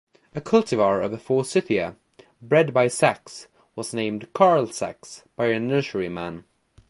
A cultivar of "Forsythia" bred by Sax was named 'Karl Sax' by a nurseryman.